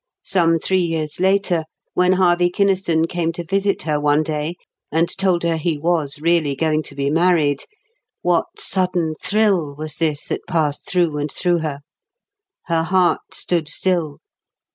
Some three years later, when Harvey Kynaston came to visit her one day, and told her he was really going to be married—what sudden thrill was this that passed through and through her. Her heart stood still.